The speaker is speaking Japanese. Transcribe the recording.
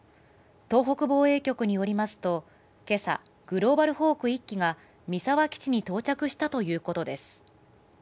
東北防衛局によりますと、今朝、グローバルホーク１機が三沢基地に到着したということです。